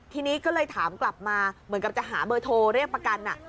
ทีนี้ก็เลยถามกลับมาเหมือนกับจะหาเบอร์โทรเรียกประกัน